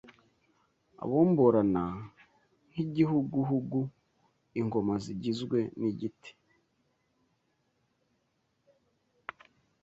abomborana nk’igihuguhugu Ingoma igizwe n’igiti